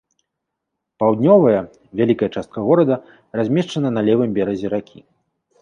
Паўднёвая, вялікая частка горада размешчана на левым беразе ракі.